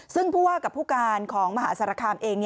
ซึ่งผู้ว่ากับผู้การของมหาสารคามเอง